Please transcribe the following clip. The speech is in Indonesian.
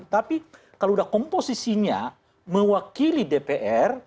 tapi kalau sudah komposisinya mewakili dpr